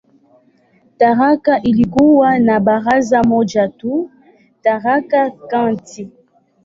Tharaka ilikuwa na baraza moja tu, "Tharaka County".